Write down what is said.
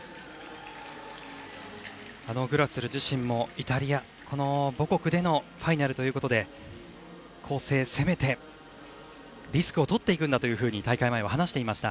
グラスル自身もイタリア母国でのファイナルということで構成を攻めてリスクをとっていくんだと大会前は話していました。